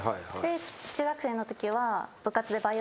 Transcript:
中学生のときは。